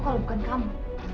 kalau bukan kamu